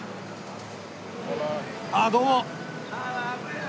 あっどうも。